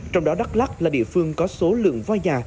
trong đó đắk lắc là địa phương có số lượng voi già